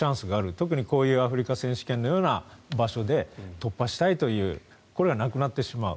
特にこういうアフリカ選手権のような場所で突破したいというこれがなくなってしまう。